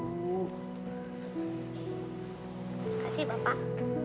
terima kasih bapak